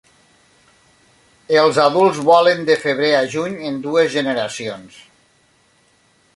Els adults volen de febrer a juny en dues generacions.